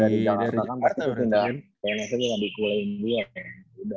berarti itu pindah ke nsa dulu